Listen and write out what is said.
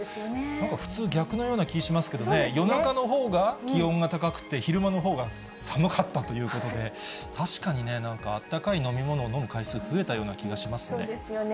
なんか普通、逆のような気がしますけどね、夜中のほうが気温が高くて、昼間のほうが寒かったということで、確かにね、なんかあったかい飲み物を飲む回数が増えたような気がしますね。